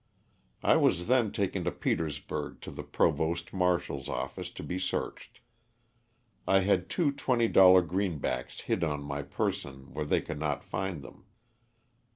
I was then taken to Petersburg to the provost marsh al's office to be searched. I had two twenty dollar greenbacks hid on my person where they could not find them.